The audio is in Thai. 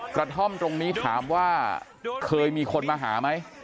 กระท่อมตรงนี้ถามว่าเคยมีคนมาหาไหม